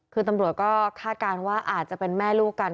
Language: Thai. คือตำรวจก็คาดการณ์ว่าอาจจะเป็นแม่ลูกกัน